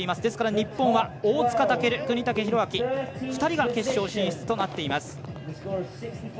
ですから日本は大塚健、國武大晃２人が決勝進出となっています。